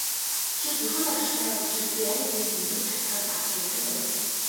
Чи зүрхэнд оршиж байгаа учир би амьд мэнд мөлхөж чадахаар барахгүй ахин дурласан.